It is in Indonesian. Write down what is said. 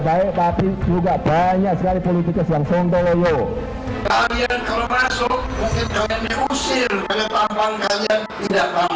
tantang tantang kami hanya tampang bunuh hari ini